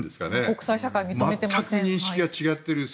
国際社会は認めていません。